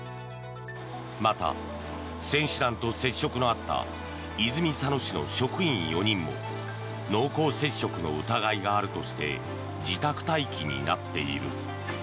また、選手団と接触のあった泉佐野市の職員４人も濃厚接触の疑いがあるとして自宅待機になっている。